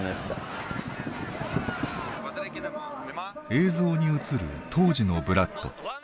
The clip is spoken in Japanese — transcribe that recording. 映像に映る当時のブラッド。